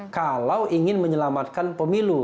kalau ingin menyelamatkan pemilu